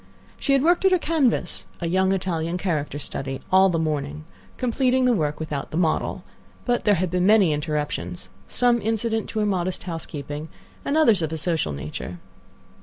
She had worked at her canvas—a young Italian character study—all the morning, completing the work without the model; but there had been many interruptions, some incident to her modest housekeeping, and others of a social nature.